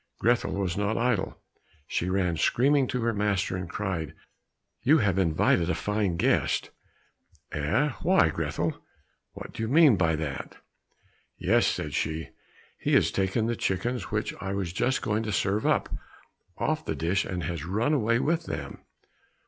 Grethel was not idle; she ran screaming to her master, and cried, "You have invited a fine guest!" "Eh, why, Grethel? What do you mean by that?" "Yes," said she, "he has taken the chickens which I was just going to serve up, off the dish, and has run away with them!"